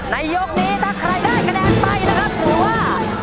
ยกนี้ถ้าใครได้คะแนนไปนะครับถือว่า